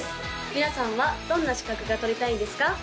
皆さんはどんな資格が取りたいですか？